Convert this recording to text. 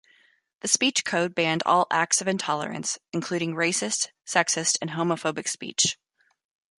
The speech code banned all "acts of intolerance" including racist, sexist and homophobic speech.